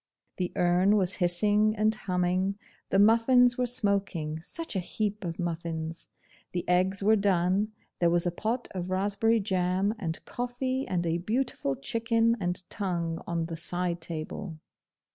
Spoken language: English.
The urn was hissing and humming: the muffins were smoking such a heap of muffins! the eggs were done, there was a pot of raspberry jam, and coffee, and a beautiful chicken and tongue on the side table.